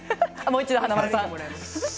もう一度、華丸さん。